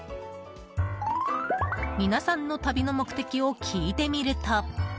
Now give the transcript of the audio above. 皆さんの旅の目的を聞いてみると。